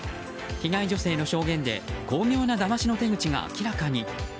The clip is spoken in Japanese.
被害女性の証言で巧妙なだましの手口が明らかに。